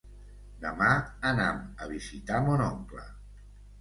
Demà anam a visitar mon oncle.